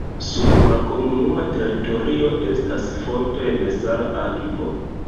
Sur la komunuma teritorio estas fontoj de sala akvo.